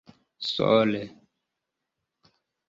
sole